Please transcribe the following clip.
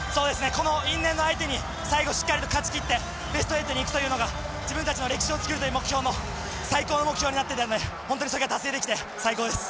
この因縁の相手に最後しっかりと勝ち切ってベスト８に行くというのが自分たちの歴史を作るという目標の最高の目標になってたので本当にそれが達成できて最高です。